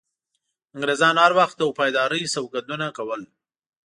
انګریزانو هر وخت د وفادارۍ سوګندونه کول.